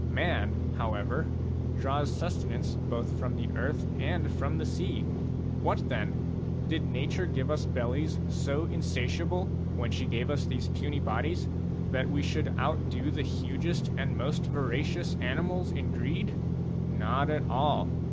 Man, how ever, draws sustenance both from the earth and from the sea. What, then ? Did nature give us bellies so insatiable, when she gave us these puny bodies, that we should outdo the hugest and most voracious animals in greed ? Not at all.